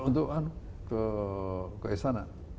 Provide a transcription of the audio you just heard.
untuk ke istana